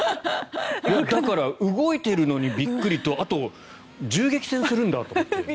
だから、動いているのにびっくりと銃撃戦するんだと思って。